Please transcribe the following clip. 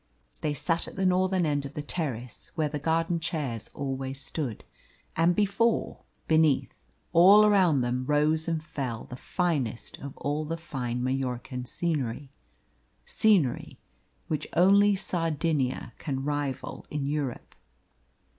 They sat at the northern end of the terrace, where the garden chairs always stood, and before, beneath, all around them rose and fell the finest of all the fine Majorcan scenery scenery which only Sardinia can rival in Europe.